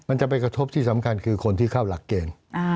จะไปกระทบที่สำคัญคือคนที่เข้าหลักเกณฑ์